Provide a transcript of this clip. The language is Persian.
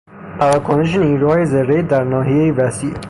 پراکنش نیروهای زرهی در ناحیهای وسیع